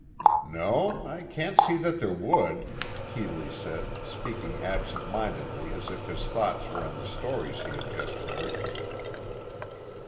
"No, I can't see that there would," Keeley said, speaking absent mindedly as if his thoughts were on the stories he had just heard.